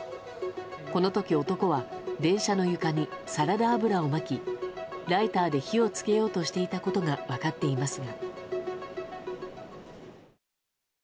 この時、男は電車の床にサラダ油をまきライターで火をつけようとしていたことが分かっていますが。